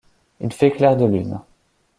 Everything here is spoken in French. Il fait clair de lune.